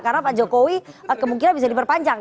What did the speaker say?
karena pak jokowi kemungkinan bisa diperpanjang